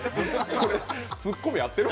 それ、ツッコミ合ってる？